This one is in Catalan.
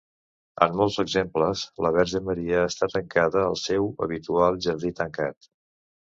En molts exemples, la Verge Maria està tancada al seu habitual jardí tancat.